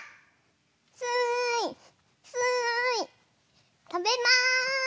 すいすいとべます。